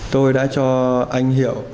tôi đã cho anh hiệu